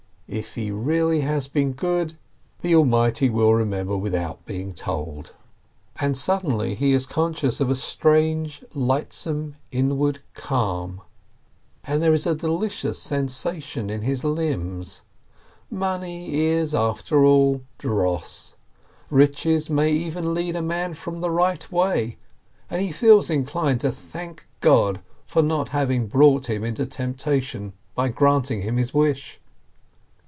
If he really has been good, the Almighty will remember without being told. THE TKEASUKE 65 And suddenly he is conscious of a strange, lightsome, inward calm, and there is a delicious sensation in his limbs. Money is, after all, dross, riches may even lead a man from the right way, and he feels inclined to thank God for not having brought him into temptation by granting him his wish.